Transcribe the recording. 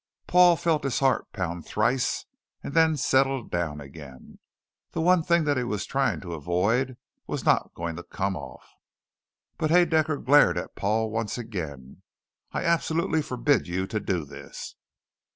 Paul felt his heart pound thrice and then settle down again. The one thing that he was trying to avoid was not going to come off. But Haedaecker glared at Paul once again. "I absolutely forbid you to do this."